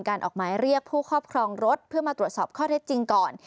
ออกหมายเรียกผู้ครอบครองรถเพื่อมาตรวจสอบข้อเท็จจริงก่อน